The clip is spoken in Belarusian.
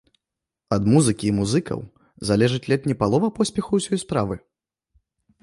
Ад музыкі і музыкаў залежыць ледзь не палова поспеху ўсёй справы!